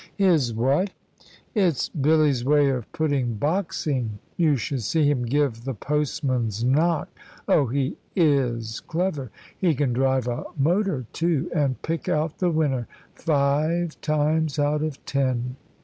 "His what?" "It's Billy's way of putting boxing. You should see him give the postman's knock! Oh, he is clever! He can drive a motor, too, and pick out the winner five times out of ten."